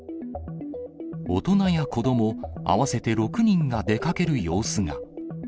大人や子ども、合わせて６人が出かける様子が。